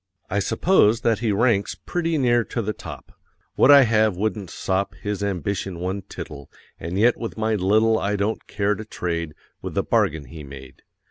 I suppose that he ranks Pretty near to the top. What I have wouldn't sop His ambition one tittle; And yet with my little I don't care to trade With the bargain he made.